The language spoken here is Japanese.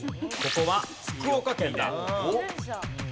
ここは福岡県だ。